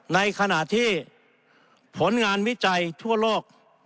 ในขณะที่ผลงานวิจัยทั่วโลก